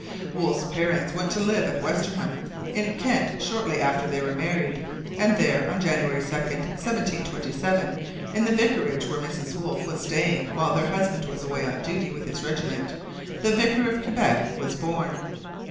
Wolfe's parents went to live at Westerham in Kent shortly after they were married; and there, on January 2, 1727, in the vicarage where Mrs Wolfe was staying while her husband was away on duty with his regiment the victor of Quebec was born.